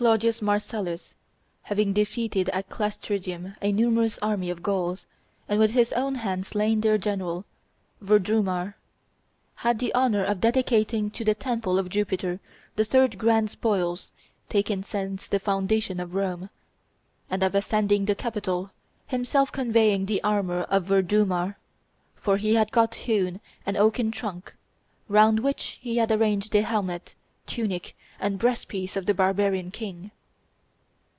Marcellus, having defeated at Clastidium a numerous army of Gauls, and with his own hand slain their general, Virdumar, had the honor of dedicating to the temple of Jupiter the third "grand spoils" taken since the foundation of Rome, and of ascending the Capitol, himself conveying the armor of Virdumar, for he had got hewn an oaken trunk, round which he had arranged the helmet, tunic, and breastplate of the barbarian king.